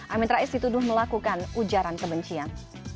amin rais dituduh melakukan ujaran kebencian